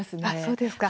そうですか。